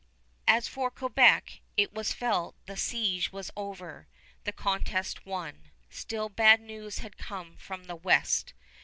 As for Quebec, it was felt the siege was over, the contest won. Still bad news had come from the west.